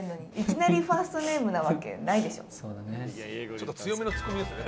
ちょっと強めのツッコミですね。